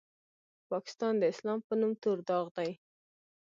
پاکستان د اسلام په نوم تور داغ دی.